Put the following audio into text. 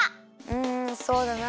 うんそうだな。